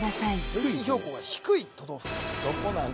平均標高が低い都道府県どこなん？